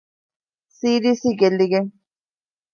ސީ.ޑީ.ސީ ގެއްލިގެން